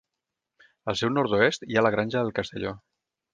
Al seu nord-oest hi ha la Granja del Castelló.